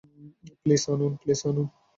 Please, আনুন।